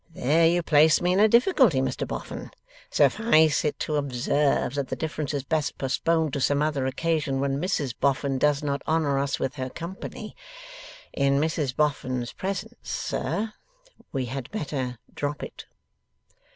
There you place me in a difficulty, Mr Boffin. Suffice it to observe, that the difference is best postponed to some other occasion when Mrs Boffin does not honour us with her company. In Mrs Boffin's presence, sir, we had better drop it.